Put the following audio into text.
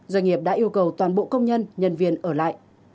doanh nghiệp đã yêu cầu toàn bộ công nhân nhân viên ở lại